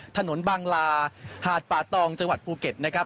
ถนนบางลาหาดป่าตองจังหวัดภูเก็ตนะครับ